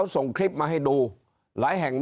ตัวเลขการแพร่กระจายในต่างจังหวัดมีอัตราที่สูงขึ้น